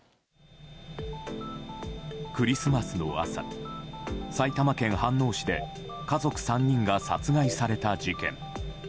クリスマスの朝、埼玉県飯能市で家族３人が殺害された事件。